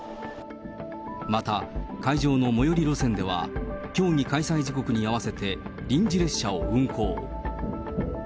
また、会場の最寄り路線では、競技開催時刻に合わせて、臨時列車を運行。